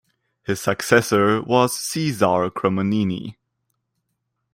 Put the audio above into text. His successor was Cesare Cremonini.